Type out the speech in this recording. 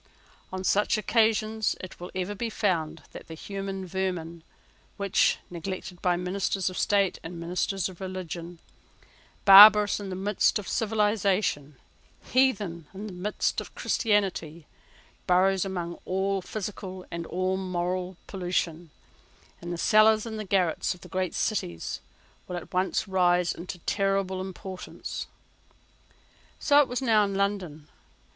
On such occasions it will ever be found that the human vermin which, neglected by ministers of state and ministers of religion, barbarous in the midst of civilisation, heathen in the midst of Christianity, burrows among all physical and all moral pollution, in the cellars and garrets of great cities, will at once rise into a terrible importance. So it was now in London.